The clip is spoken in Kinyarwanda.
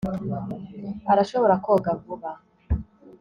arashobora koga vuba